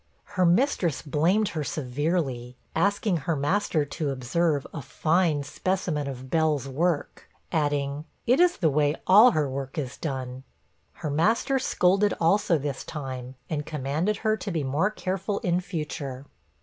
Her mistress blamed her severely, asking her master to observe 'a fine specimen of Bell's work!' adding, 'it is the way all her work is done.' Her master scolded also this time, and commanded her to be more careful in future.